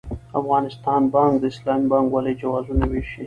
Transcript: افغانستان بانک د اسلامي بانکوالۍ جوازونه وېشي.